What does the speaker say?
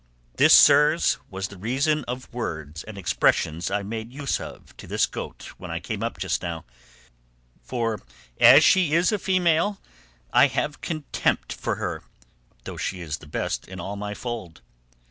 This, sirs, was the reason of words and expressions I made use of to this goat when I came up just now; for as she is a female I have a contempt for her, though she is the best in all my fold.